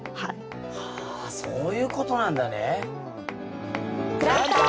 はあそういうことなんだね。